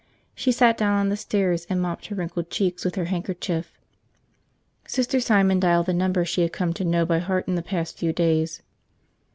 She sat down on the stairs and mopped her wrinkled cheeks with her handkerchief. Sister Simon dialed the number she had come to know by heart in the past few days.